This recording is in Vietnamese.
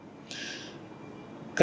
một bài hát